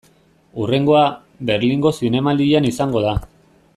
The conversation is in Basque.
Hurrengoa, Berlingo Zinemaldian izango da.